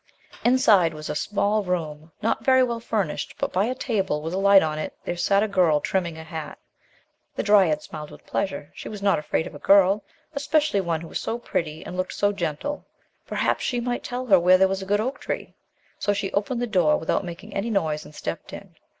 INSIDE was a small room, not very well furnished, and by a table, with a light on it, there sat a girl, trimming a hat. The dryad smiled with pleasure; she was not afraid of a girl, especially one who was so pretty, and looked so gentle. Perhaps she might tell her where there was a good oak tree ; so she opened the door, without making any noise, and stepped in.